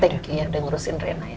thank you ya udah ngurusin rena ya